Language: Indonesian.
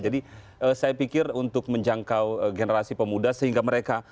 jadi saya pikir untuk menjangkau generasi pemuda sehingga mereka